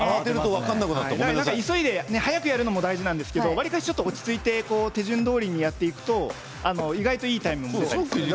速くやるのも大事なんですけれど落ち着いて手順どおりにやっていくといいタイムが出ます。